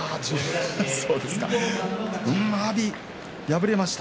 阿炎、敗れました。